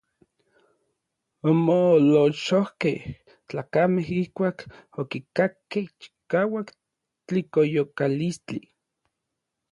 Omoolochojkej tlakamej ijkuak okikakkej chikauak tlijkoyokalistli.